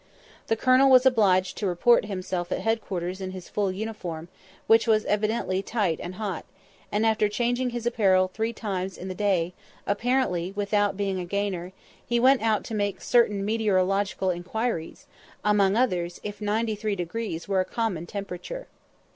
The colonel was obliged to report himself at head quarters in his full uniform, which was evidently tight and hot; and after changing his apparel three times in the day, apparently without being a gainer, he went out to make certain meteorological inquiries, among others if 93° were a common temperature.